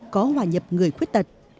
có hòa nhập người khuyết tật